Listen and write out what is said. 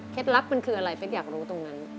ลับมันคืออะไรเป๊กอยากรู้ตรงนั้น